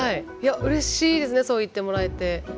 うれしいですねそう言ってもらえて。